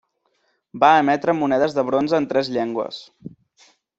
Va emetre monedes de bronze en tres llengües.